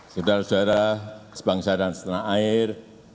saudara saudara sebangsa dan setanah air